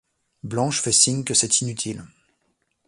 Blanche fait signe que c’est inutile.